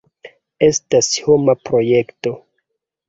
Estas homa projekto.